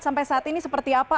sampai saat ini seperti apa